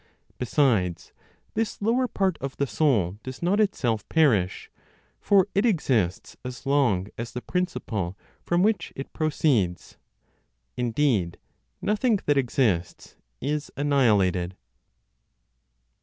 Besides, this lower part of the soul does not itself perish, for it exists as long as the principle from which it proceeds. Indeed, nothing that exists is annihilated.